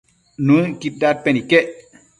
Nuëcquid dadpen iquec